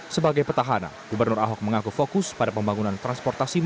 sebagai petahana gubernur ahok mengaku fokus pada pembangunan transportasi